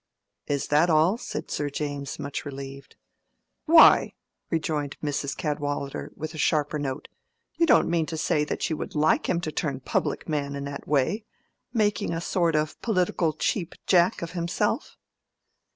"Is that all?" said Sir James, much relieved. "Why," rejoined Mrs. Cadwallader, with a sharper note, "you don't mean to say that you would like him to turn public man in that way—making a sort of political Cheap Jack of himself?"